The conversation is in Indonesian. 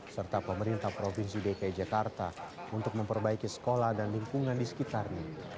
serta pemerintah provinsi dki jakarta untuk memperbaiki sekolah dan lingkungan di sekitarnya